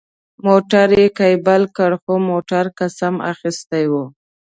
موټر یې کېبل کړ، خو موټر قسم اخیستی و.